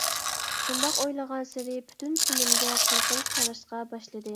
شۇنداق ئويلىغانسېرى پۈتۈن تېنىمگە قورقۇنچ تاراشقا باشلىدى.